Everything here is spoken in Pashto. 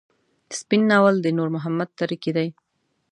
سپين ناول د نور محمد تره کي دی.